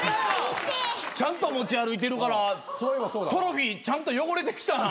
ちゃんと持ち歩いてるからトロフィーちゃんと汚れてきたな。